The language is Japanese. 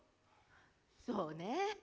そうね